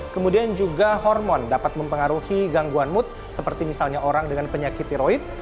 kemudian juga hormon dapat mempengaruhi gangguan mood seperti misalnya orang dengan penyakit tiroid